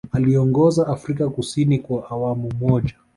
Aliiongoza Afrika Kusini kwa awamu moja